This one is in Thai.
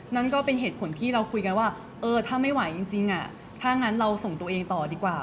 นั่นก็เป็นเหตุผลที่เราคุยกันว่าเออถ้าไม่ไหวจริงถ้างั้นเราส่งตัวเองต่อดีกว่า